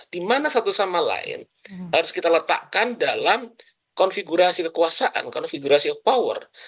dimana satu sama lain harus kita letakkan dalam konfigurasi kekuasaan konfigurasi of power